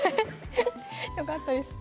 よかったです